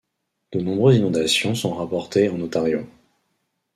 De nombreuses inondations sont rapportées en Ontario.